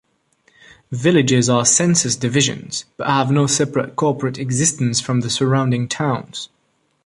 Villages are census divisions, but have no separate corporate existence from the surrounding towns.